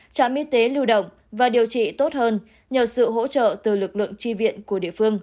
trả miết tế lưu động và điều trị tốt hơn nhờ sự hỗ trợ từ lực lượng tri viện